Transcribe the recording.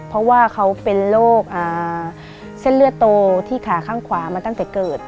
เพราะว่าเขาเป็นโรคเส้นเลือดโตที่ขาข้างขวามาตั้งแต่เกิด